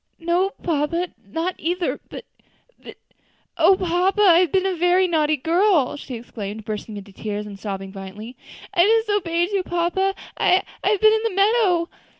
"No, papa, not either; but but, O papa! I have been a very naughty girl," she exclaimed, bursting into tears, and sobbing violently. "I disobeyed you, papa. I I have been in the meadow."